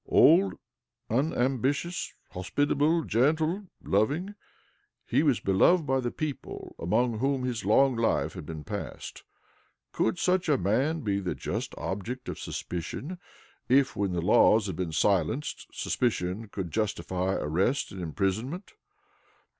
Old, unambitious, hospitable, gentle, loving, he was beloved by the people among whom his long life had been passed. Could such a man be the just object of suspicion, if, when laws had been silenced, suspicion could justify arrest and imprisonment?